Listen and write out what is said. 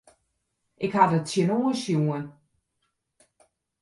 Ik ha der sa tsjinoan sjoen.